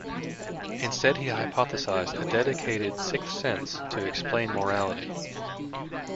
Instead, he hypothesised a dedicated "sixth sense" to explain morality.